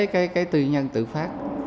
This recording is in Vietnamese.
cái tư nhân tự phát